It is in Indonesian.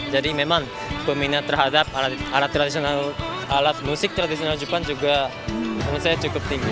jadi memang peminat terhadap alat musik tradisional jepang juga menurut saya cukup tinggi